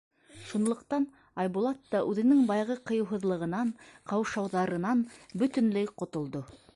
Шунлыҡтан Айбулат та үҙенең баяғы ҡыйыуһыҙлығынан, ҡаушауҙарынан бөтөнләй ҡотолдо.